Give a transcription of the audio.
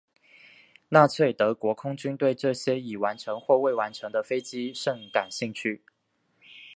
纳粹德国空军对这些已完成或未完成的飞机甚感兴趣。